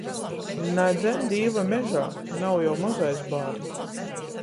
Nadzeņ Dīva mežā! Nav jau mozais bārns.